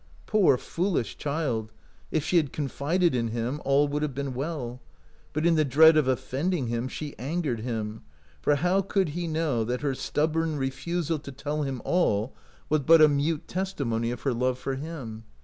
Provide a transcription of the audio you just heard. Poor, foolish child ! If she had confided in him, all would have been well ; but in the dread of offending him she angered him, for how could he know that her stubborn refusal to tell him all was but 126 OUT OF'BOHEMIA a mute testimony of her love for him